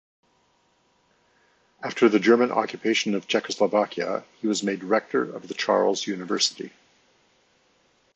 After the German occupation of Czechoslovakia he was made rector of the Charles University.